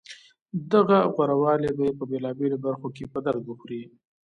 دغه غورهوالی به یې په بېلابېلو برخو کې په درد وخوري